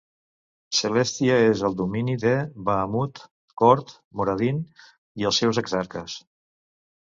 Celestia és el domini de Bahamut, Kord, Moradin i els seus exarques.